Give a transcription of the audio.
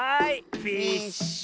フィッシュ！